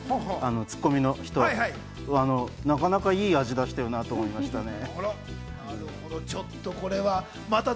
ツッコミの人、なかなかいい味出しているなと思いましたね。